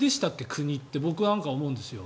国って僕なんかは思うんですよ。